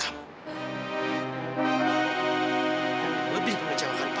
kamu lebih mengecewakan papa